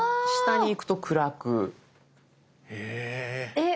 えっ！